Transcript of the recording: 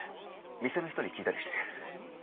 店の人に聞いたりして。